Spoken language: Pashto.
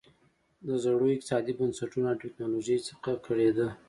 د زړو اقتصادي بنسټونو او ټکنالوژۍ څخه کړېده.